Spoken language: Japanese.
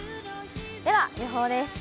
では、予報です。